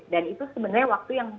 dan itu sebenarnya waktu yang